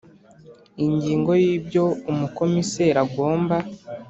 Ingingo ya ibyo umukomiseri agomba